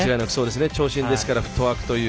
長身ですからフットワークという